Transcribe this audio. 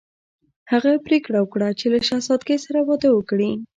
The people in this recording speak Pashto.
هغه پریکړه وکړه چې له شهزادګۍ سره واده وکړي.